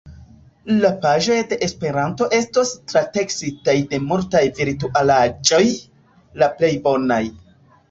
La paĝoj de Esperanto estos trateksitaj de multaj virtualaĵoj, la plej bonaj.